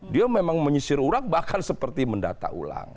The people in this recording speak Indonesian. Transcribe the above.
dia memang menyisir orang bahkan seperti mendata ulang